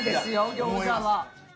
餃子は。